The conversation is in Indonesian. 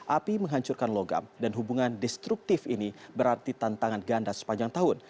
api menghancurkan logam dan hubungan destruktif ini berarti tantangan ganda sepanjang tahun